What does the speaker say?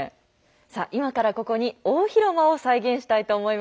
さあ今からここに大広間を再現したいと思います。